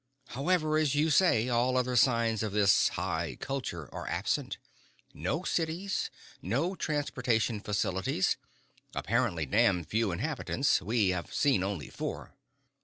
However, as you say, all other signs of this high culture are absent, no cities, no transportation facilities, apparently damned few inhabitants we have seen only four.